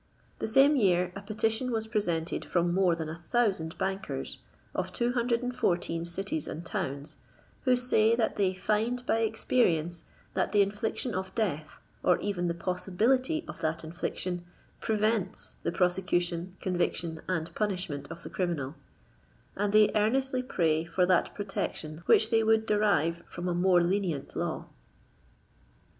The same year a petition was presented from more than a thousand bankers, of 214 cities and towns, who say that they <^find by experience that the infliction of death, or even the possibility of that infliction, prevents the prosecution, conviction and punishment of the criminal ;" and they *' earnestly pray for that protection which they would derive from a more lenient law."